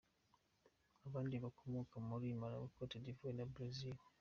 Abandi bakomoka muri Malawi, Cote d’Ivoire na Brazil.